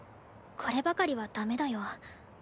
こればかりはダメだよ。